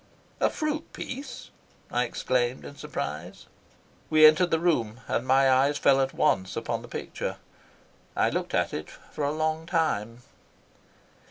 "A fruit piece!" I exclaimed in surprise. We entered the room, and my eyes fell at once on the picture. I looked at it for a long time.